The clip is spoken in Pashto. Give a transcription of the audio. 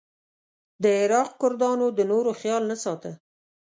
د عراق کردانو د نورو خیال نه ساته.